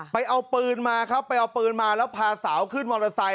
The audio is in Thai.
ไปเอาปืนมาครับไปเอาปืนมาแล้วพาสาวขึ้นมอเตอร์ไซค